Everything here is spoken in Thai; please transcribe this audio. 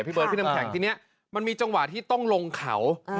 เบิร์พี่น้ำแข็งทีนี้มันมีจังหวะที่ต้องลงเขา